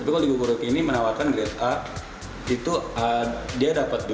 tapi kalau di kuku ruyuk ini menawarkan grade a dia dapat